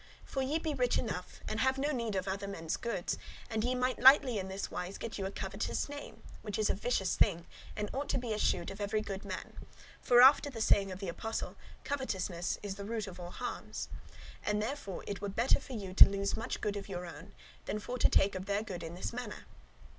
For ye be rich enough, and have no need of other men's goods; and ye might lightly [easily] in this wise get you a covetous name, which is a vicious thing, and ought to be eschewed of every good man: for, after the saying of the Apostle, covetousness is root of all harms. And therefore it were better for you to lose much good of your own, than for to take of their good in this manner.